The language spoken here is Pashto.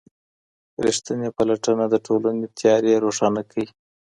ریښتینې پلټنه د ټولني تیارې روښانه کوي.